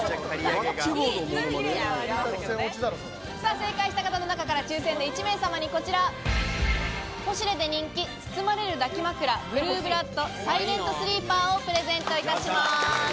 正解した方の中から抽選で１名様にこちら、ポシュレで人気「包まれる抱き枕ブルーブラッドサイレントスリーパー」をプレゼントいたします。